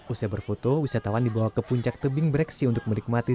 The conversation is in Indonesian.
usai berfoto wisatawan dibawa ke puncak tebing breksi untuk menikmati